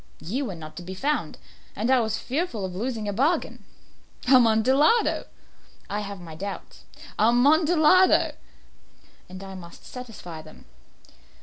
You were not to be found, and I was fearful of losing a bargain." "Amontillado!" "I have my doubts." "Amontillado!" "And I must satisfy them."